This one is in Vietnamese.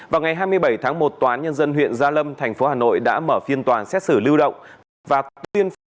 vào ngày hai mươi bảy tháng một tòa án nhân dân huyện gia lâm tp hà nội đã mở phiên toàn xét xử lưu động